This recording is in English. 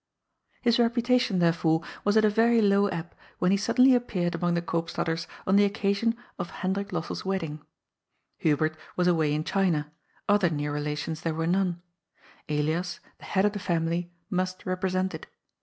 His reputation, therefore, was at a very low ebb when he suddenly appeared among the Koopstaders on the occasion of Hendrik LosselPs wedding. Hubert was away in China ; other near relations there were none. Elias, the head of the family, must represent it.